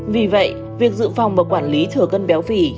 vì vậy việc dự phòng và quản lý thừa cân béo phì